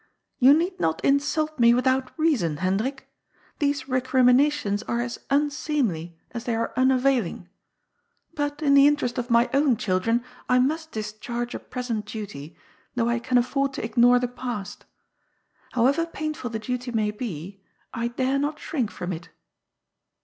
^You need not insult me without reason, Hendrik. These recriminations are as unseemly as they are un* availing. But, in the interest of my own children, I must discharge a present duty, though I can afford to ignore the past However painful the duty may be, I dare not shrink from it."